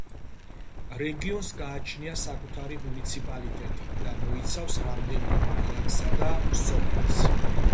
რეგიონს გააჩნია საკუთარი მუნიციპალიტეტი და მოიცავს რამდენიმე პატარა ქალაქსა და სოფელს.